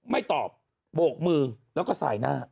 ไม่ตอบโบกมือแล้วก็สายหน้า